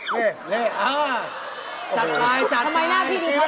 นี่นี่อ้าวจัดไว้จัดไว้ทำไมหน้าพี่ดูแบบนี้